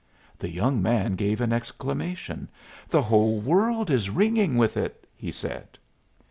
The young man gave an exclamation. "The whole world is ringing with it," he said.